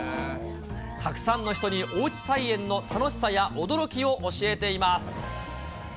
たくさんの人におうち菜園の楽しさや驚きを教えています。